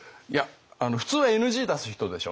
普通はＮＧ出す人でしょう？